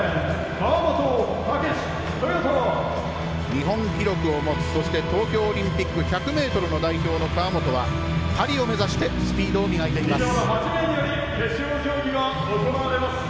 日本記録を持つそして、東京オリンピック１００ｍ代表の川本はパリを目指してスピードを磨いています。